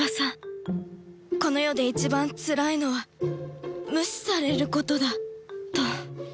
この世で一番つらいのは無視されることだと